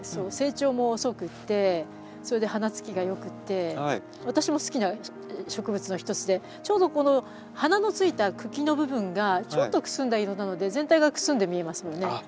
成長も遅くってそれで花つきが良くって私も好きな植物の一つでちょうどこの花のついた茎の部分がちょっとくすんだ色なので全体がくすんで見えますもんね。